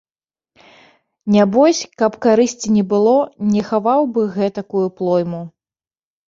Нябось, каб карысці не было, не хаваў бы гэтакую плойму.